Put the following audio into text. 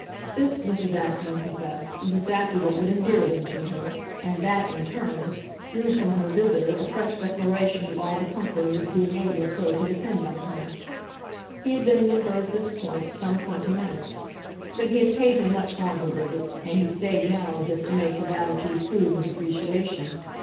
This, Mrs. Assingham professed, was exactly what would endear them to her, and that, in turn, drew from her visitor a fresh declaration of all the comfort of his being able so to depend on her. He had been with her, at this point, some twenty minutes; but he had paid her much longer visits, and he stayed now as if to make his attitude prove his appreciation.